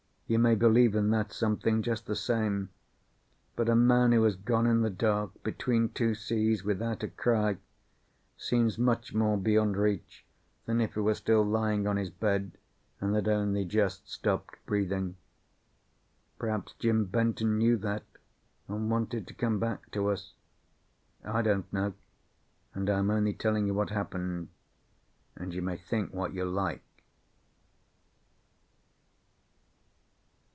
You may believe in that something just the same; but a man who has gone in the dark, between two seas, without a cry, seems much more beyond reach than if he were still lying on his bed, and had only just stopped breathing. Perhaps Jim Benton knew that, and wanted to come back to us. I don't know, and I am only telling you what happened, and you may think what you like.